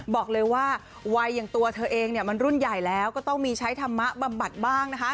บอกเลยว่าวัยอย่างตัวเธอเองเนี่ยมันรุ่นใหญ่แล้วก็ต้องมีใช้ธรรมะบำบัดบ้างนะคะ